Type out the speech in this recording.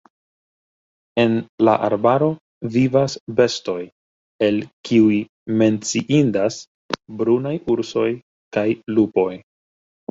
En la arbaro vivas bestoj, el kiuj menciindas brunaj ursoj kaj lupoj.